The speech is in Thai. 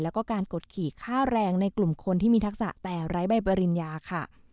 แล้วก็การกดขี่ค่าแรงในกลุ่มคนที่มีทักษะแต่ไร้ใบปริญญาค่ะ